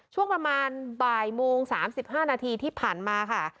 ช่วงประมาณบ่ายโมง๓๕นาทีที่ผ่านมาค่ะ